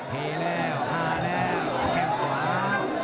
เฮแล้วพลาแล้วแค่ขวา